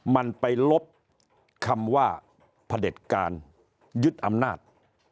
มันไปลบคำว่าพระเด็จการยึดอำนาจ